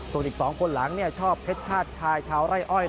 ส่วนอีก๒คนหลังชอบเพศชาตรชายเช้าไร่อย